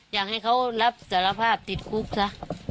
อยากให้เขารับสารภาพติดคุกซะ